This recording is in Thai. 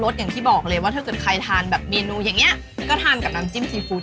เดี๋ยวเขานั่งดูกล้องโครงจอมผิดดู